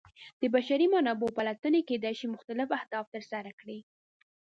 د بشري منابعو پلټنې کیدای شي مختلف اهداف ترسره کړي.